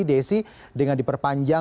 desi dengan diperpanjang